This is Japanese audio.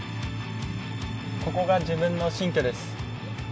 ここが自分の新居です。